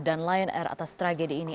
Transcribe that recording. dan lion air atas tragedi ini